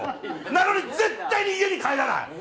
なのに絶対に家に帰らない。